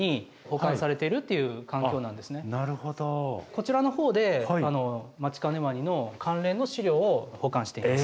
こちらのほうでマチカネワニの関連の資料を保管しています。